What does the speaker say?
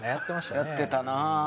やってたな。